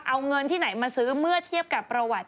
เอาเงินที่ไหนมาซื้อเมื่อเทียบกับประวัติ